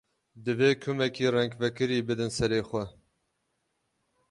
Divê kumekî rengvekirî bidin serê xwe.